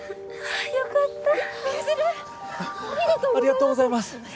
ありがとうございます！